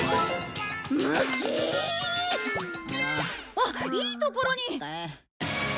あっいいところに！